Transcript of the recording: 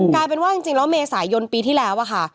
กลายเป็นว่าจริงแล้วเมษายนปีที่แล้วอะค่ะ